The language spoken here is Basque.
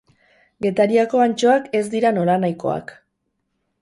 Getariako antxoak ez dira nolanahikoak.